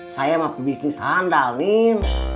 saya mah pebisnis handal nin